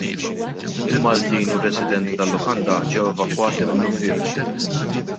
Il-Maltin u r-residenti tal-lukanda ġew evakwati minnufih.